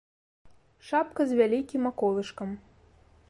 Шапка з вялікім аколышкам.